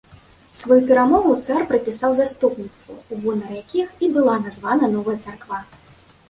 Сваю перамогу цар прыпісаў заступніцтву у гонар якіх і была названа новая царква.